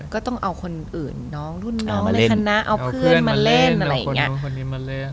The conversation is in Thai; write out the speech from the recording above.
ก็ต้องเอาคนอื่นน้องรุ่นน้องในคณะเอาเพื่อนมาเล่นอะไรอย่างนี้